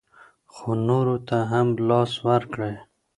خو نورو ته هم لاس ورکړئ.